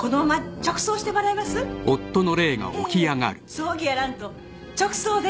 葬儀やらんと直葬で。